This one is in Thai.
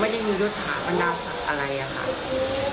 ไม่ได้มียสหาพันธาษาอะไรค่ะ